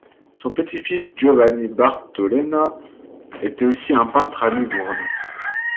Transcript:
Son petit-fils Giovanni Bartolena était aussi un peintre à Livourne.